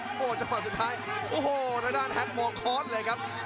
โอ้โหจังหวะสุดท้ายโอ้โหทางด้านแฮ็กมองคอร์สเลยครับ